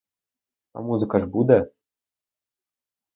А музика ж буде!